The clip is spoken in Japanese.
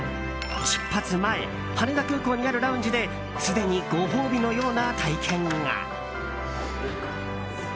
出発前羽田空港にあるラウンジですでにご褒美のような体験が。